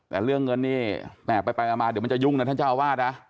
แต่เรื่องเงินนี่แม่ไปมาเดี๋ยวมันจะยุ่งนะท่านเจ้าอาวาสนะ